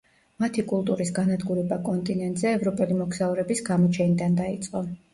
მათი კულტურის განადგურება კონტინენტზე ევროპელი მოგზაურების გამოჩენიდან დაიწყო.